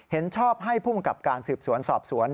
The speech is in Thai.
เห็นชอบให้ภูมิกับการสืบสวนสอบสวน